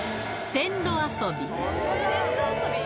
線路遊び？